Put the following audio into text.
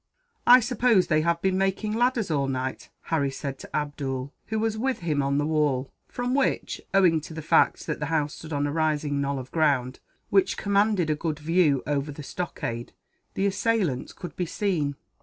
"I suppose they have been making ladders all night," Harry said to Abdool, who was with him on the wall; from which, owing to the fact that the house stood on a rising knoll of ground, which commanded a good view over the stockade, the assailants could be seen.